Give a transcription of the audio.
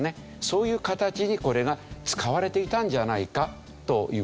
そういう形にこれが使われていたんじゃないかという事ですよね。